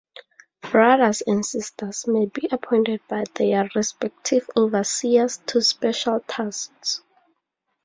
Brothers and Sisters may be appointed by their respective Overseers to special tasks.